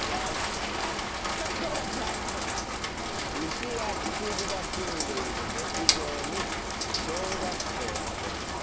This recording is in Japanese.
牛や羊がすんでいる牧場に小学校を建てました。